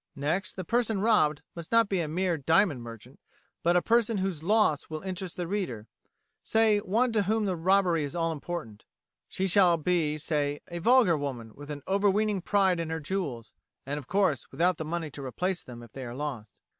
Next, the person robbed must not be a mere diamond merchant, but a person whose loss will interest the reader, say, one to whom the robbery is all important. She shall be, say, a vulgar woman with an overweening pride in her jewels, and, of course, without the money to replace them if they are lost.